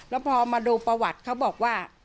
แล้วพอมาดูประวัติเขาบอกว่า